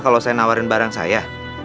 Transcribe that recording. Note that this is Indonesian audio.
kalau saya nawarin barang saya